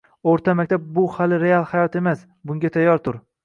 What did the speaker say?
O‘rta maktab – bu hali real hayot emas. Bunga tayyor tur.